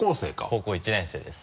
高校１年生です。